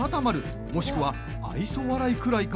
もしくは愛想笑いくらいか。